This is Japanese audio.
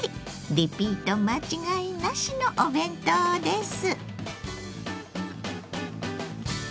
リピート間違いなしのお弁当です。